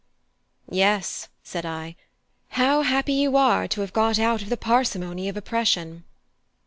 "Yes," said I, "how happy you are to have got out of the parsimony of oppression!"